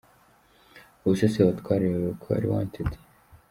Ubu se Sebatware ayobewe ko ari Wanted !